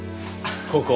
ここ！